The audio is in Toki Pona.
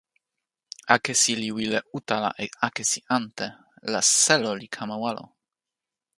akesi li wile utala e akesi ante, la selo li kama walo.